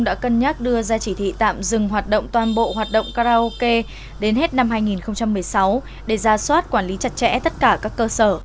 đến hết năm hai nghìn một mươi sáu để ra soát quản lý chặt chẽ tất cả các cơ sở